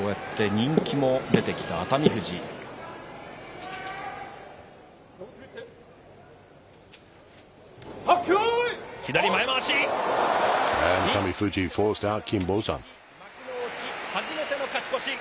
一気に攻めました、熱海富士、幕内、初めての勝ち越し。